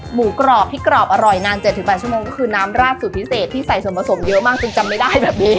หมูกรอบที่กรอบอร่อยนาน๗๘ชั่วโมงก็คือน้ำราดสูตรพิเศษที่ใส่ส่วนผสมเยอะมากจนจำไม่ได้แบบนี้